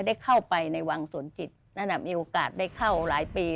ได้เข้าไปในวังสวนจิตนั่นมีโอกาสได้เข้าหลายปี